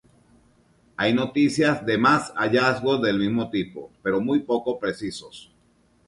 Hay noticias de más hallazgos del mismo tipo, pero muy poco precisos.